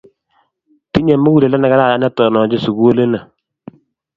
Tinye muguleldo ne kararan netononchin sukuli ni